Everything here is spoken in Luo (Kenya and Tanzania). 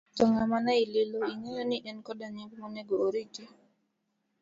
To ng'ama ne ililo, ing'eyo ni en koda nying' monego oriti?